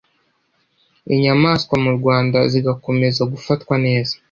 inyamaswa mu Rwanda zigakomeza gufatwa neza